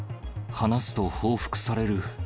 話すと報復される。